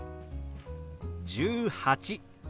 「１８」。